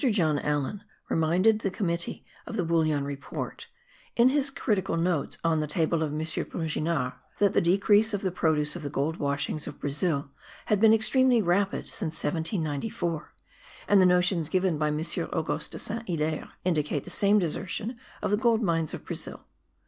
John Allen reminded the Committee of the Bullion Report, in his Critical Notes on the table of M. Brongniart, that the decrease of the produce of the gold washings of Brazil had been extremely rapid since 1794; and the notions given by M. Auguste de Saint Hilaire indicate the same desertion of the gold mines of Brazil.